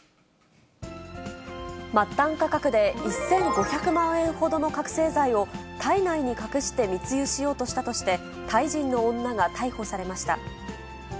末端価格で１５００万円ほどの覚醒剤を、体内に隠して密輸しようとしたとして、タイ人の女が逮捕されました。